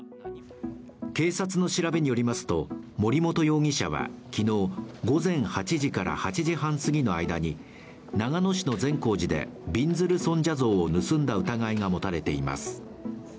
警察の調べによりますと森本容疑者は昨日、午前８時から８時半すぎの間に長野市の善光寺でびんずる尊者像を盗んだ疑いが持たれています。